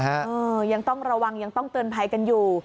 เออยังต้องระวังยังต้องเตือนภัยกันอยู่